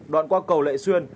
đoạn qua cầu lệ xuyên